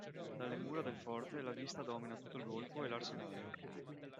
Dalle mura del Forte la vista domina tutto il golfo e l’Arsenale.